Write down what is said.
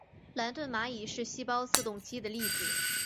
兰顿蚂蚁是细胞自动机的例子。